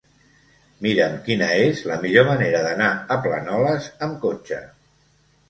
Mira'm quina és la millor manera d'anar a Planoles amb cotxe.